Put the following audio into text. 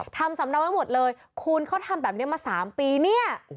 ทำสำเนาไว้หมดเลยคุณเขาทำแบบนี้มา๓ปีเนี่ย